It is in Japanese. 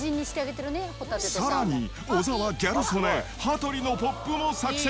さらに、小澤、ギャル曽根、羽鳥のポップも作成。